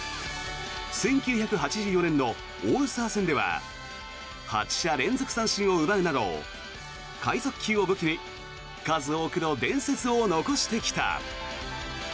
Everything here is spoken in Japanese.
１９８４年のオールスター戦では８者連続三振を奪うなど快速球を武器に数多くの伝説を残してきた。